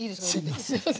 あすいません。